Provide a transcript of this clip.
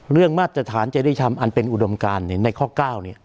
เรื่องมาตรฐานจริยธรรมอันเป็นอุดมการในข้อ๙นี่